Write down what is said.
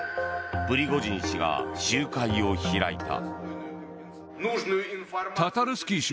プリゴジン氏が集会を開いた。